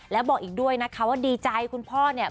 แล้วบอกอีกด้วยนะคะว่าดีใจคุณพ่อเนี่ย